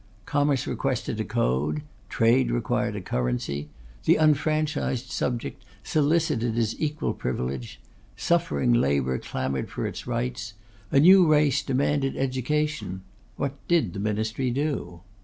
Commerce requested a code; trade required a currency; the unfranchised subject solicited his equal privilege; suffering labour clamoured for its rights; a new race demanded education. What did the ministry do?